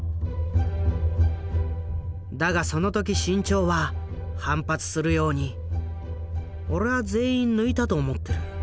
だがその時志ん朝は反発するように「俺は全員抜いたと思ってる。